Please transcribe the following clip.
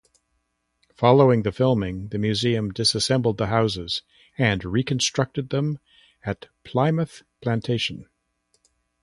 Following the filming, the museum disassembled the houses and reconstructed them at Plimoth Plantation.